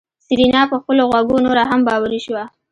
سېرېنا په خپلو غوږو نوره هم باوري شوه.